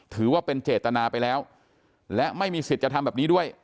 ถือว่าเป็นเจตนาไปแล้วและไม่มีสิทธิ์จะทำแบบนี้ด้วย